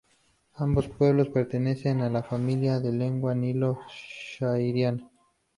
Ambos pueblos pertenecen a la familia de la lengua nilo-sahariana.